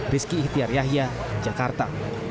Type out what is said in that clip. rizky itiar yahya jakarta